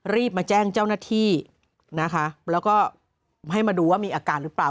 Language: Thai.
รีบมาแจ้งเจ้าหน้าที่นะคะแล้วก็ให้มาดูว่ามีอาการหรือเปล่า